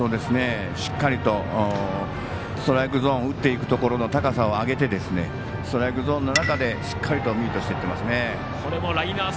しっかりとストライクゾーン打っていくところの高さを上げてストライクゾーンの中でしっかりとミートしていってますね。